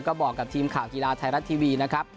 ก็บอกกับทีมข่าวกีฬาไทยรัฐทีวีนะครับ